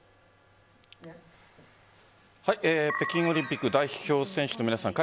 北京オリンピック代表選手の皆さん